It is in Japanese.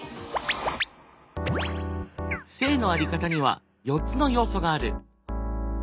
性の在り方には４つの要素がある。